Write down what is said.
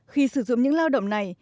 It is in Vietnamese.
khi sử dụng những lao động này